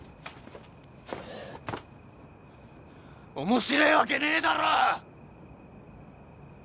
面白えわけねえだろ！